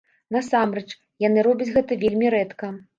Насамрэч, яны робяць гэта вельмі рэдка.